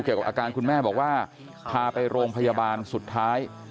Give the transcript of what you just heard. อาการคุณแม่บอกว่าพาไปโรงพยาบาลสุดท้าย